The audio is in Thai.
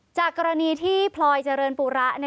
จากกรณีที่พลอยเจริญปูระ